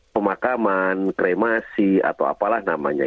pemakaman kremasi atau apalah namanya